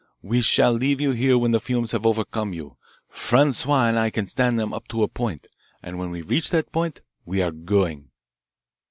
We shall leave you here when the fumes have overcome you. Francois and I can stand them up to a point, and when we reach that point we are going."